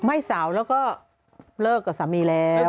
ไม่สาวแล้วก็เลิกกับสามีแล้ว